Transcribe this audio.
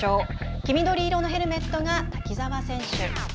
黄緑色のヘルメットが滝澤選手。